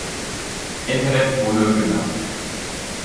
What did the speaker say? Internet wurde genannt.